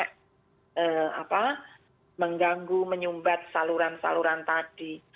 jadi itu harus kita berhenti mengganggu menyumbat saluran saluran tadi